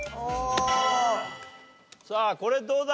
さあこれどうだ？